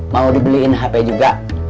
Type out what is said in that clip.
mau dibeliin hp juga